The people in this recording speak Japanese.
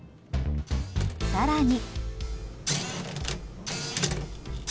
更に。